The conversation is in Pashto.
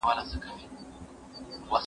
مڼه د زړه لپاره ښه ده.